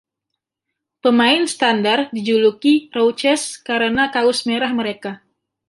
Pemain standar dijuluki "Rouches" karena kaus merah mereka.